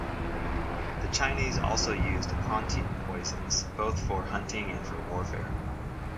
The Chinese also used "Aconitum" poisons both for hunting and for warfare.